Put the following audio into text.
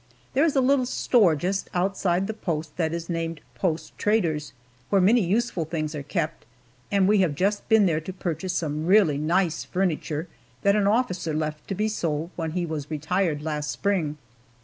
There is a little store just outside the post that is named "Post Trader's," where many useful things are kept, and we have just been there to purchase some really nice furniture that an officer left to be sold when he was retired last spring.